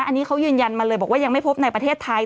อันนี้เขายืนยันมาเลยบอกว่ายังไม่พบในประเทศไทย